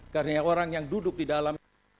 karena orang yang duduk di dalam